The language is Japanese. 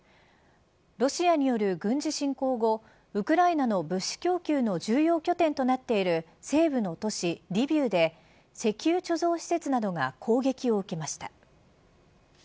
ロシアによる軍事侵攻後ウクライナの物資供給の重要拠点となっている西部の都市リビウで石油貯蔵施設などが攻撃を受けました。